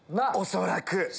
恐らく。